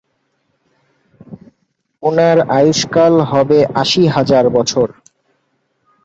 উনার আয়ুষ্কাল হবে আশি হাজার বছর।